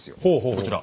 こちら。